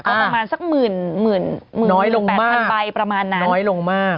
ก็ประมาณสักหมื่นหมื่นน้อยลงแต่หมื่นใบประมาณนั้นน้อยลงมาก